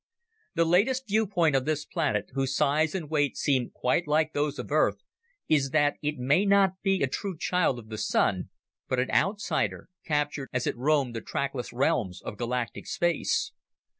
The latest viewpoint on this planet, whose size and weight seem quite like those of Earth, is that it may not be a true child of the Sun, but an outsider captured as it roamed the trackless realms of galactic space.